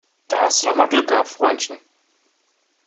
Da hast du noch mal Glück gehabt, Freundchen!